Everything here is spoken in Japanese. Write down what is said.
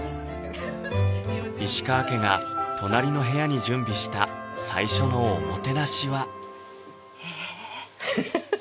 石川家が隣の部屋に準備した最初のおもてなしはええ